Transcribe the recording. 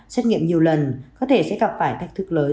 xét nghiệm nhiều lần có thể sẽ gặp phải thách thức lớn